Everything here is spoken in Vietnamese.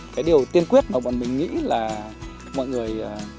cái điều tiên quyết mà bọn mình nghĩ là mọi người